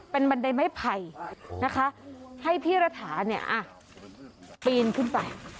เป็นบันไดไม้ไผ่นะคะให้พี่ระถาเนี่ยปีนขึ้นไป